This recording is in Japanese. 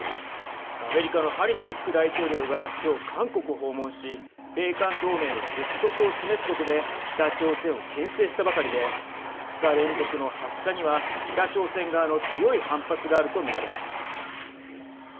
アメリカのハリス副大統領が今日、韓国を訪問し米韓同盟の結束を示すことで北朝鮮をけん制したばかりで２日連続の発射には北朝鮮側の強い反発があると見られます。